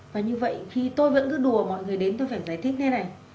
và như vậy tôi vẫn cứ đùa mọi người đến tôi phải giải thích thế này